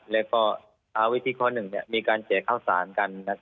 แล้วก็ทางวิธีข้อหนึ่งมีการเสียเข้าสารกัน